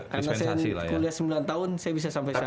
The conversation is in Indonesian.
karena saya kuliah sembilan tahun saya bisa sampai sekarang